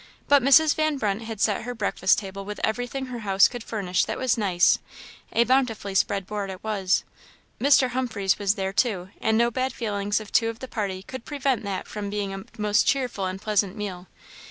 But Mrs. Van Brunt had set her breakfast table with everything her house could furnish that was nice; a bountifully spread board it was. Mr. Humphreys was there, too; and no bad feelings of two of the party could prevent that from being a most cheerful and pleasant meal.